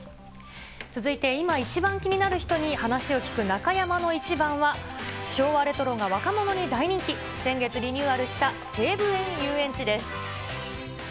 続いて今一番気になる人に話を聞く中山のイチバンは、昭和レトロが若者に大人気、先月リニューアルした西武園ゆうえんちです。